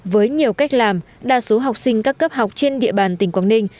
với nhiều cách làm đa số học sinh các cấp học trên địa bàn tỉnh quảng ninh